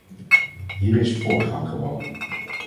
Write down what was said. Hier is voortgang geboden.